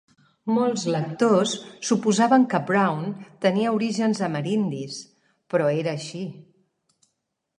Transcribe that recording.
Molts lectors suposaven que Brown tenia orígens amerindis, però era així.